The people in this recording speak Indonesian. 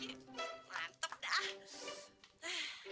iya mantep dah